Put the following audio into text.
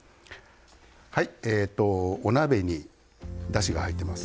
お鍋にだしが入っています。